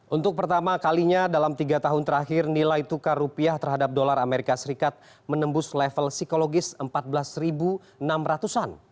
untuk pertama kalinya dalam tiga tahun terakhir nilai tukar rupiah terhadap dolar amerika serikat menembus level psikologis empat belas enam ratus an